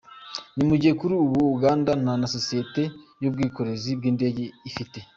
Ni mu gihe kuri ubu Uganda nta sosiyete y’ubwikorezi bw’indege ifite.